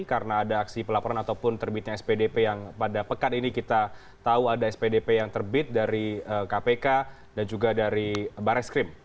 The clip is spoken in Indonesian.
karena ada aksi pelaporan ataupun terbitnya spdp yang pada pekan ini kita tahu ada spdp yang terbit dari kpk dan juga dari barreskrim